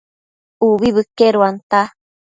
Ubi bëqueduanta